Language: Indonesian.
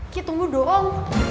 kik tunggu dong